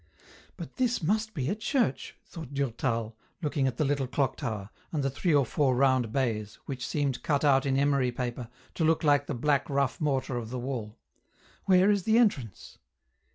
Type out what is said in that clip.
But this must be a church," thought Durtal, looking at the little clock tower, and the three or four round bays, which seemed cut out in emery paper to look like the black rough mortar of the wall ;" where is the entrance